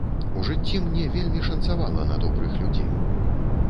У жыцці мне вельмі шанцавала на добрых людзей.